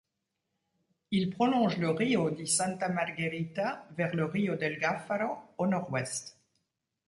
Il prolonge le rio di Santa Margherita vers le rio del Gaffaro au nord-ouest.